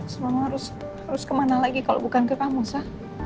semua harus kemana lagi kalau bukan ke kamu sa